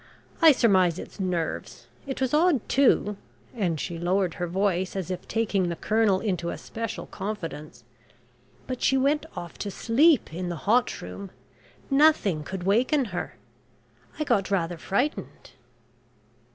I surmise it's nerves. It was odd, too," and she lowered her voice as if taking the Colonel into a special confidence. "But she went off to sleep in the hot room. Nothing could waken her. I got rather frightened."